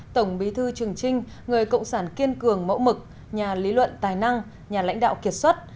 tổng bí thư trường trinh người cộng sản kiên cường mẫu mực nhà lý luận tài năng nhà lãnh đạo kiệt xuất